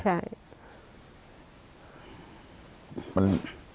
ใช่